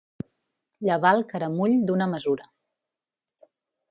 Llevar el caramull d'una mesura.